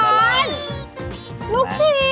ลูกทีม